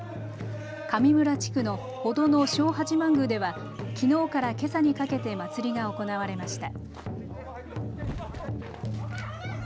上村地区の程野・正八幡宮ではきのうからけさにかけて祭りが行われました。